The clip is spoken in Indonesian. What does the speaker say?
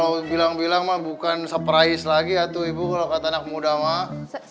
ya kalo bilang bilang mah bukan surprise lagi ya tuh ibu kalo kata anak muda mah